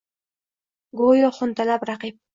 Goʼyo xuntalab raqib